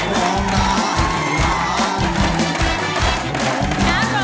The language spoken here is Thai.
ร้องได้ให้ร้าน